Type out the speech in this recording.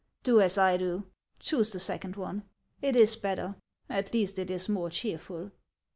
Do as I do: choose the second course; it is better — at least it is more cheerful."